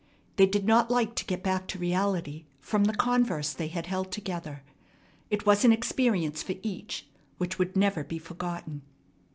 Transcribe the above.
They did not like to get back to reality from the converse they had held together. It was an experience for each which would never be forgotten.